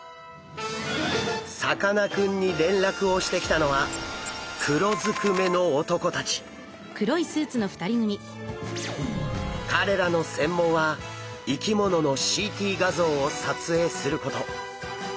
さかなクンに連絡をしてきたのは彼らの専門は生き物のＣＴ画像を撮影すること。